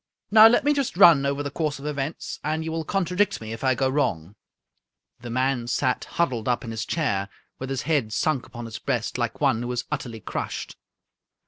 Now, let me just run over the course of events, and you will contradict me if I go wrong." The man sat huddled up in his chair, with his head sunk upon his breast, like one who is utterly crushed.